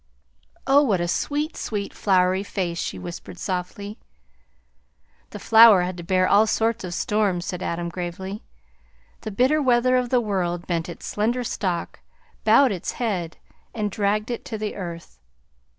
"Oh, what a sweet, sweet, flowery face!" she whispered softly. "The flower had to bear all sorts of storms," said Adam gravely. "The bitter weather of the world bent its slender stalk, bowed its head, and dragged it to the earth.